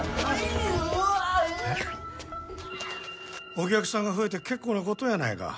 お客さんが増えて結構な事やないか。